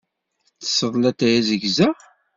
Tettesseḍ latay azegza?